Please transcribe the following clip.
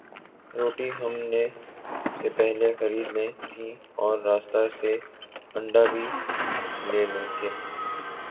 روٹی ہم نے سے پہل خرید لیں تھیں اور راستہ سےانڈ بھی ل تھے